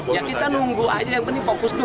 ya kita nunggu aja yang penting fokus dulu